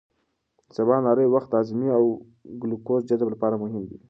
د سباناري وخت د هاضمې او ګلوکوز جذب لپاره مهم دی.